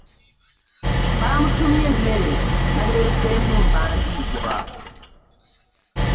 Baamutumye mmere yaleseemu nvandirwa.